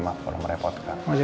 maaf kalau merepotkan